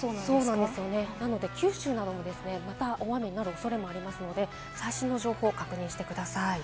九州なども大雨になる恐れがありますから最新の情報を確認してください。